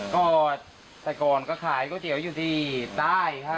มีเมียน้อยหลายคนนะ